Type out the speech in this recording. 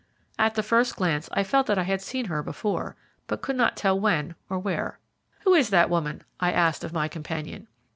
At the first glance I felt that I had seen her before, but could not tell when or where. "Who is that woman?" I asked of my companion.